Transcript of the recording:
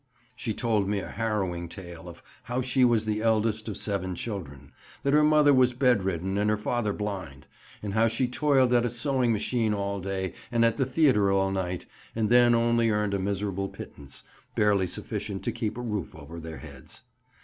She told me a harrowing tale of how she was the eldest of seven children; that her mother was bed ridden and her father blind; and how she toiled at a sewing machine all day and at the theatre all night, and then only earned a miserable pittance, barely sufficient to keep a roof over their heads.